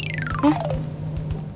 lupa apa sih mas